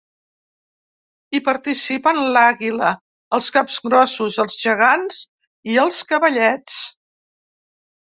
Hi participen l’àguila, els capgrossos, els gegants i els cavallets.